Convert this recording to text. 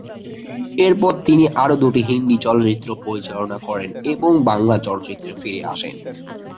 এরপর তিনি আরও দুটি হিন্দি চলচ্চিত্র পরিচালনা করেন এবং বাংলা চলচ্চিত্রে ফিরে আসেন।